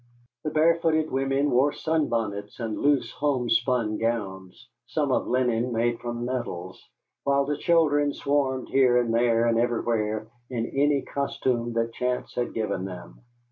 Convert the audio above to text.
The barefooted women wore sunbonnets and loose homespun gowns, some of linen made from nettles, while the children swarmed here and there and everywhere in any costume that chance had given them.